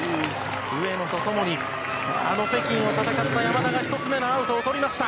上野と共にあの北京を戦った山田が１つ目のアウトをとりました。